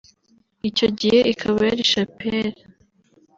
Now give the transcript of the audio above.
icyo gihe ikaba yari Chapelle